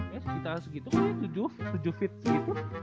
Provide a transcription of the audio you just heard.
ya sekitar segitu kan tujuh feet segitu